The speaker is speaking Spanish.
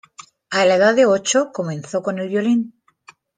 A la edad de ocho comenzó con el violín.